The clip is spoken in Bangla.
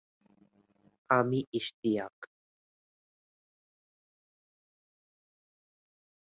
সিনেমা হল ভবনের চতুর্থ তলায় অবস্থিত হলটি সম্পূর্ণ শীতাতপ নিয়ন্ত্রিত।